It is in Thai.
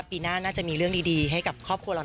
ปีหน้าน่าจะมีเรื่องดีให้กับครอบครัวเรา